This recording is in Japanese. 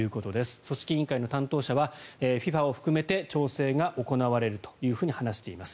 組織委員会の担当者はＦＩＦＡを含めて調整が行われると話しています。